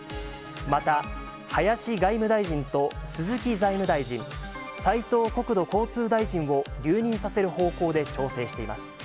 また、林外務大臣と鈴木財務大臣、斉藤国土交通大臣を留任させる方向で調整しています。